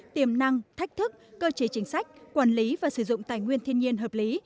tiềm năng thách thức cơ chế chính sách quản lý và sử dụng tài nguyên thiên nhiên hợp lý